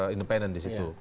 independen di situ